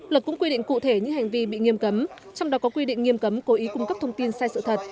luật cũng quy định cụ thể những hành vi bị nghiêm cấm trong đó có quy định nghiêm cấm cố ý cung cấp thông tin sai sự thật